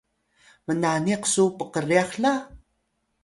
mnaniq su pkryax la?